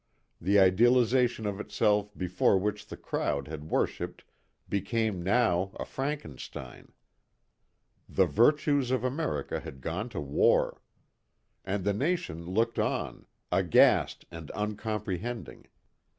The idealization of itself before which the crowd had worshipped became now a Frankenstein. The virtues of America had gone to war. And the nation looked on, aghast and uncomprehending.